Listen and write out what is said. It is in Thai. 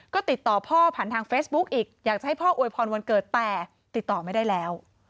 ก็ติดต่อพ่อผ่านทางเฟซบุ๊กอีกอยากจะให้พ่ออวยพรวันเกิดแต่ติดต่อไม่ได้แล้ว